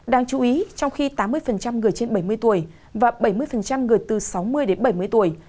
đáng chú ý trong khi tám mươi người trên bảy mươi tuổi và bảy mươi người từ sáu mươi đến bảy mươi tuổi